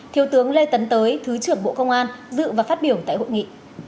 thiếu tướng lê tấn tới thứ trưởng bộ công an dự và phát biểu tại hội nghị